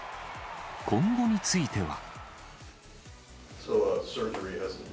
今後については。